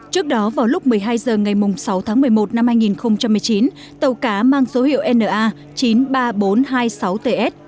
trước đó vào lúc một mươi hai h ngày sáu tháng một mươi một năm hai nghìn một mươi chín tàu cá mang số hiệu na chín mươi ba nghìn bốn trăm hai mươi sáu ts